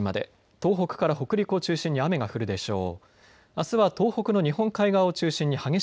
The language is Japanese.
東北から北陸を中心に雨が降るでしょう。